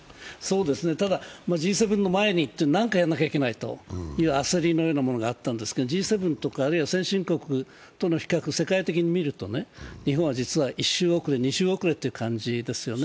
ただ、Ｇ７の前に何かやらなきゃいけないという焦りのようなものがあったんですがＧ７とか先進諸国の違いを世界的に見ると、日本は実は１周遅れ、２周遅れという状態ですよね。